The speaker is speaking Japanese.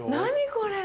これ。